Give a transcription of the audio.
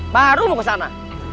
baru mau kesana